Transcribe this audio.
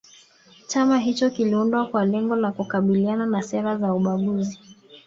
chama hicho kiliundwa kwa lengo la kukabiliana na sera za ubaguzi